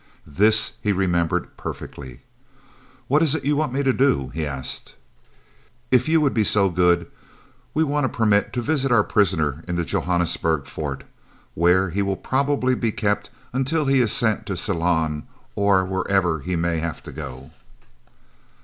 This he remembered perfectly. "What is it you want me to do?" he asked. "If you will be so good, we want a permit to visit our prisoner in the Johannesburg Fort, where he will probably be kept until he is sent to Ceylon or where ever he may have to go."